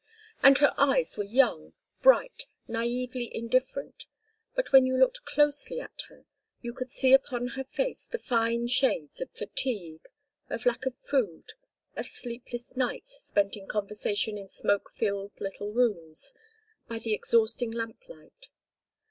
And her eyes were young, bright, naïvely indifferent. But when you looked closely at her you could see upon her face the fine shades of fatigue, of lack of food, of sleepless nights spent in conversation in smoke filled little rooms, by the exhausting lamp light.